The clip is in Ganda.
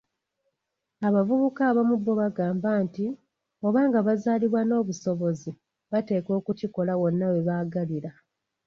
Abavubuka abamu bo bagamba nti, obanga bazaalibwa n'obusobozi, bateekwa okukikola wonna we baagalira.